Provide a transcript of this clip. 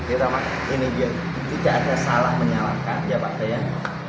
ini dia tidak ada salah menyalahkan